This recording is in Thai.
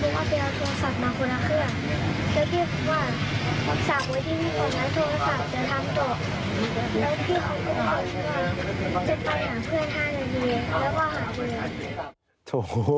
จึงไปหาเพื่อน๕นาทีแล้วก็หาเพื่อน